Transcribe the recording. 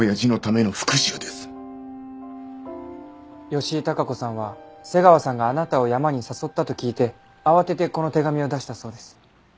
吉井貴子さんは瀬川さんがあなたを山に誘ったと聞いて慌ててこの手紙を出したそうです。